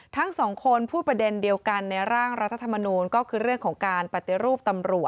ทั้งสองคนพูดประเด็นเดียวกันในร่างรัฐธรรมนูลก็คือเรื่องของการปฏิรูปตำรวจ